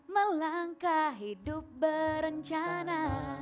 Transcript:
melangkah hidup berencana